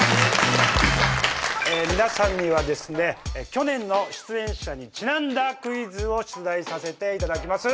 皆さんにはですね去年の出演者にちなんだクイズを出題させていただきます。